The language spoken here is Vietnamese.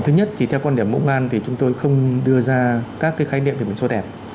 thứ nhất thì theo quan điểm bộ công an thì chúng tôi không đưa ra các cái khái niệm về biển số đẹp